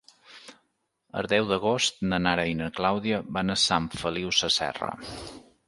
El deu d'agost na Nara i na Clàudia van a Sant Feliu Sasserra.